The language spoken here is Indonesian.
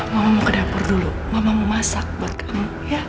mama mau ke dapur dulu mama mau masak buat kamu